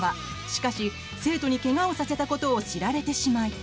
しかし生徒にけがをさせたことを知られてしまい。